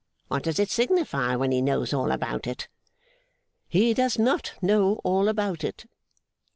What does it signify when he knows all about it?' 'He does not know all about it.